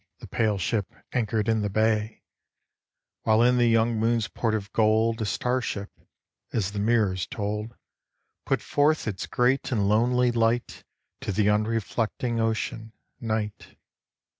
The pale ship anchored in the bay, While in the young moon's port of gold A star ship — as the mirrors told — Put forth its great and lonely light To the unreflecting Ocean, Night.